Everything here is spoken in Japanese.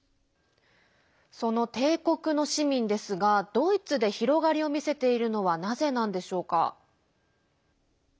その帝国の市民ですがドイツで広がりを見せているのはなぜなんでしょうか？